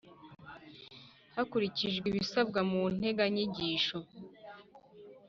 hakurikijwe ibisabwa mu nteganyanyigisho